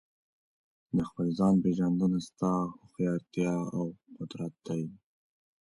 د خپل ځان پېژندنه ستا هوښیارتیا او قدرت دی.